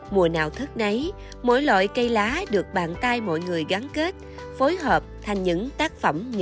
mùa nào thức nấy mỗi loại cây lá được bàn tay mọi người gắn kết phối hợp thành những tác phẩm nghệ thuật